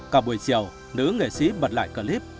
cả buổi chiều nữ nghệ sĩ bật lại clip